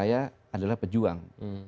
saya adalah pejuang